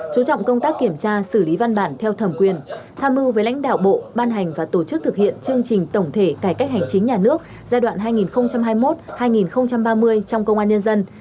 chú trọng công tác kiểm tra xử lý văn bản theo thẩm quyền tham mưu với lãnh đạo bộ ban hành và tổ chức thực hiện chương trình tổng thể cải cách hành chính nhà nước giai đoạn hai nghìn hai mươi một hai nghìn ba mươi trong công an nhân dân